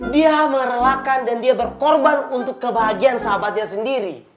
dia merelakan dan dia berkorban untuk kebahagiaan sahabatnya sendiri